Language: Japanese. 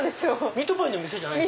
ミートパイの店じゃないんだ。